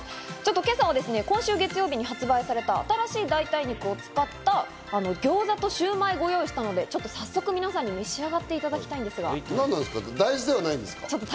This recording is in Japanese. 今朝は今週月曜日に発売された新しい代替肉を使った餃子とシューマイをご用意したので、早速、皆さんで召し上がっていただきたいんですが。